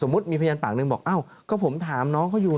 มีพยานปากหนึ่งบอกอ้าวก็ผมถามน้องเขาอยู่